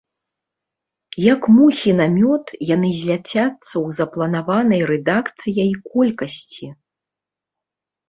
Як мухі на мёд, яны зляцяцца ў запланаванай рэдакцыяй колькасці.